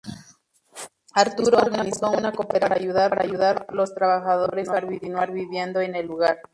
Arturo organizó una cooperativa para ayudar los trabajadores a continuar viviendo en el lugar.